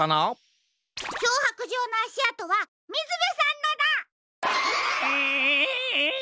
きょうはくじょうのあしあとはみずべさんのだ！え！？